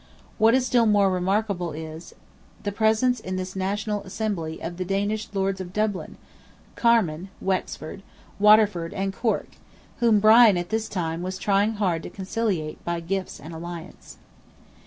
What is still more remarkable is, the presence in this national assembly of the Danish Lords of Dublin, Carmen (Wexford), Waterford and Cork, whom Brian, at this time, was trying hard to conciliate by gifts and alliances.